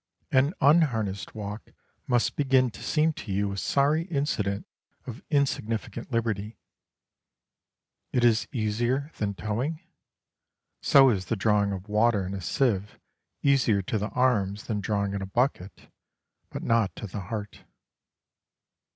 An unharnessed walk must begin to seem to you a sorry incident of insignificant liberty. It is easier than towing? So is the drawing of water in a sieve easier to the arms than drawing in a bucket, but not to the heart.